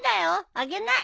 あげない！